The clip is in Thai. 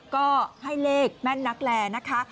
ก็ให้เลขแม่นนักแลนะคะ